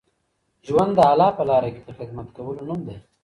ژوند د الله په لاره کي د خدمت کولو نوم دی.